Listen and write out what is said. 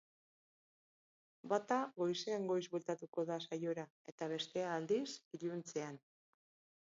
Bata goizean goiz bueltatuko da saiora, eta bestea, aldiz, iluntzean.